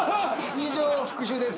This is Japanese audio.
以上復讐です。